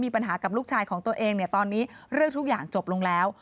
กับลูกชายของตัวเองเนี่ยตอนนี้เรื่องทุกอย่างจบลงแล้ว